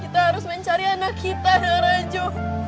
kita harus mencari anak kita nara jo